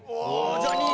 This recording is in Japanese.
じゃあ２位。